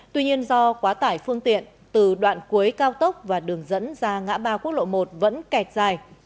tuy nhiên do quá tải phương tiện từ đoạn cuối cao tốc và đường dẫn ra ngã ba quốc lộ một vẫn kẹt dài